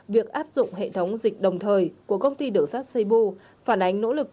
việc áp dụng hệ thống dịch đồng thời của công ty đường sát seibu phản ánh nỗ lực